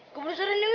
gue berusaha nih wil